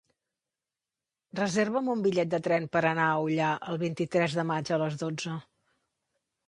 Reserva'm un bitllet de tren per anar a Ullà el vint-i-tres de maig a les dotze.